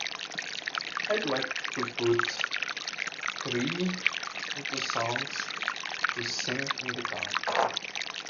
I'd like to put qriii onto songs to sing in the car.